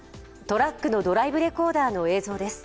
トラックのドライブレコーダーの映像です。